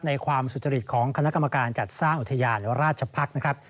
ความสุจริตของคณะกรรมการจัดสร้างอุทยานราชภักษ์นะครับ